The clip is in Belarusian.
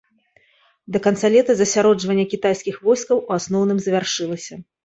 Да канца лета засяроджванне кітайскіх войскаў у асноўным завяршылася.